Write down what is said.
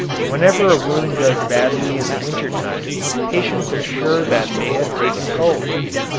Whenever a wound does badly in the winter time patients are sure that they have taken cold.